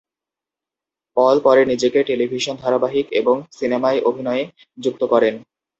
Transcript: পল পরে নিজেকে টেলিভিশন ধারাবাহিক এবং সিনেমায় অভিনয়ে যুক্ত করেন।